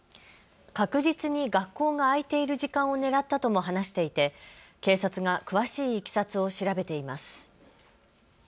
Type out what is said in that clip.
確実に学校が開いている時間を狙ったとも話していて警察が詳しいいきさつを調べています。